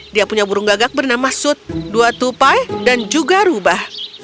dia punya burung gagak bernama sud dua tupai dan juga rubah